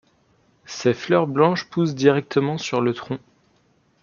Ses fleurs blanches poussent directement sur le tronc.